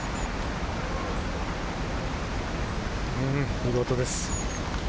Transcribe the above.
見事です。